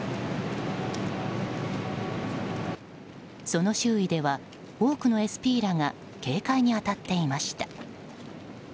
その周囲では多くのＳＰらが警戒に当たっていました。